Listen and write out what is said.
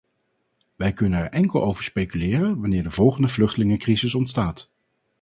Wij kunnen er enkel over speculeren wanneer de volgende vluchtelingencrisis ontstaat.